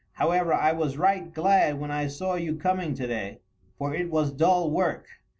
However, I was right glad when I saw you coming today, for it was dull work.